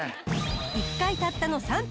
１回たったの３分。